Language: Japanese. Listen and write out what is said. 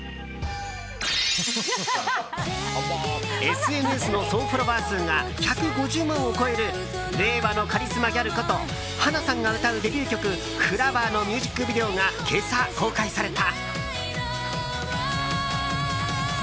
ＳＮＳの総フォロワー数が１５０万を超える令和のカリスマギャルこと華さんが歌うデビュー曲「Ｆｌｏｗｅｒ」のミュージックビデオが今朝、公開された。